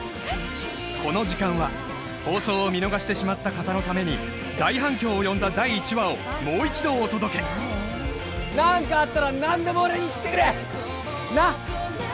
この時間は放送を見逃してしまった方のために大反響を呼んだ第１話をもう一度お届けなんかあったら何でも俺に言ってくれなっ